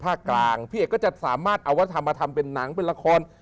ภาคกลางพี่เอกก็จะสามารถเอาวัฒนธรรมมาทำเป็นหนังเป็นละคร